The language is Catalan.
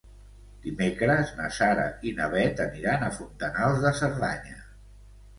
Dimecres na Sara i na Bet aniran a Fontanals de Cerdanya.